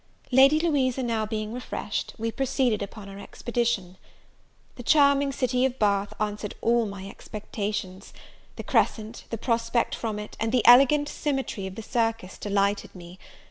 Lady Louisa being now refreshed, we proceeded upon our expedition. The charming city of Bath answered all my expectations. The Crescent, the prospect from it, and the elegant symmetry of the Circus, delighted me.